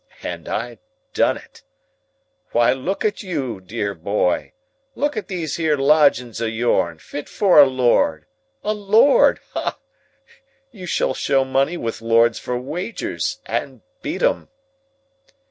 And I done it. Why, look at you, dear boy! Look at these here lodgings of yourn, fit for a lord! A lord? Ah! You shall show money with lords for wagers, and beat 'em!"